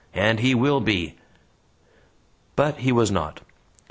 And he will be!" But he was not.